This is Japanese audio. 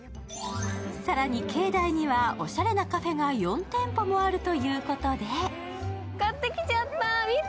更に、境内にはおしゃれなカフェが４店舗もあるということで買ってきちゃった、見て。